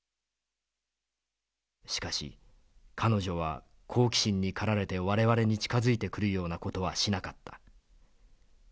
しかし彼女は好奇心に駆られて我々に近づいてくるような事はしなかった。